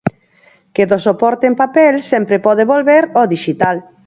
Que do soporte en papel sempre pode volver ao dixital.